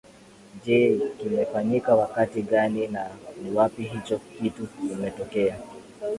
Je kimefaanyika wakati gani na ni wapi hicho kitu kimetokea